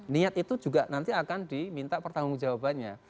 niat itu juga nanti akan diminta pertanggung jawabannya